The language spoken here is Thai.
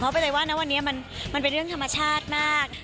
ไปเลยว่านะวันนี้มันเป็นเรื่องธรรมชาติมาก